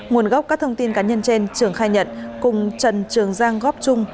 nguồn gốc các thông tin cá nhân trên trường khai nhận cùng trần trường giang góp trung